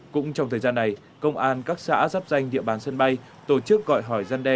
cũng trong thời gian này công an các xã giáp danh địa bàn sân bay tổ chức gọi hỏi gian đe